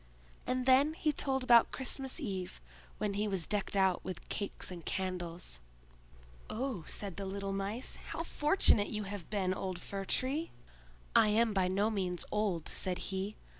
And then he told about Christmas Eve, when he was decked out with cakes and candles. "Oh," said the little Mice, "how fortunate you have been, old Fir tree!" "I am by no means old," said he.